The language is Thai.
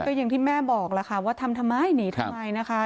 ก็อย่างที่แม่บอกล่ะค่ะว่าทำทำไมหนีทำไมนะคะ